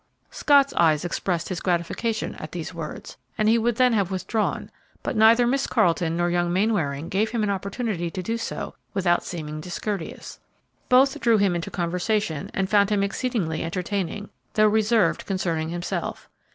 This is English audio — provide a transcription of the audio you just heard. Scott's eyes expressed his gratification at these words, and he would then have withdrawn, but neither Miss Carleton nor young Mainwaring gave him an opportunity to do so without seeming discourteous. Both drew him into conversation and found him exceedingly entertaining, though reserved concerning himself.